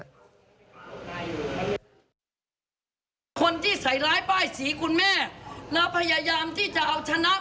อย่างนี้นะให้มีโรคร้ายรักษาไม่หายก็แล้วกัน